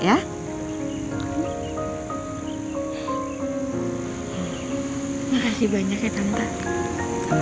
makasih banyak ya tante